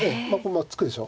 まあ突くでしょ。